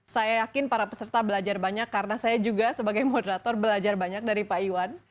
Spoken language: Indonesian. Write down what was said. saya yakin para peserta belajar banyak karena saya juga sebagai moderator belajar banyak dari pak iwan